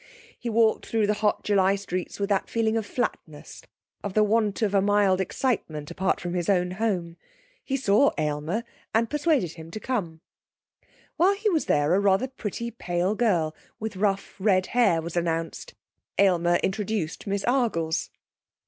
He walked through the hot July streets with that feeling of flatness of the want of a mild excitement apart from his own home. He saw Aylmer and persuaded him to come. While he was there a rather pretty pale girl, with rough red hair, was announced. Aylmer introduced Miss Argles.